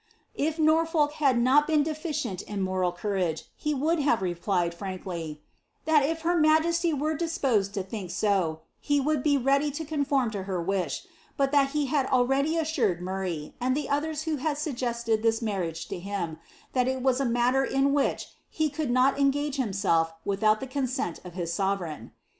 If Norfolk had not been deficient in moral courage, he would have replied, frankly, ^ that if her majesty were disposed to think so, he would be ready to conform to her wish, but that he had already assured Murray, and the others who had suggested this marriage to him, that it was a matter in which he could not engage himself without the consent of hia sovereign."